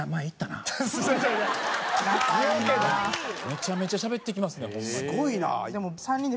めちゃめちゃしゃべってきますねホンマに。